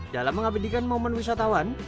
dalam mengabadikan momen wisatawan